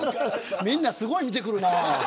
みんなすごい見てくるな。